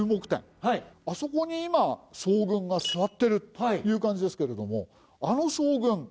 あそこに今将軍が座ってるという感じですけれどもあの将軍